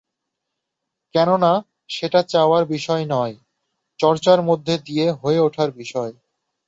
কেননা, সেটা চাওয়ার বিষয় নয়, চর্চার মধ্য দিয়ে হয়ে ওঠার বিষয়।